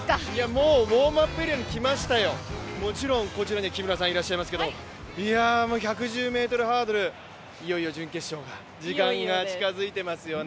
もうウォームアップエリアに来ましたよ、もちろんこちらに木村さんいらっしゃいますけど１１０ｍハードル、いよいよ準決勝の時間が近づいていますよね。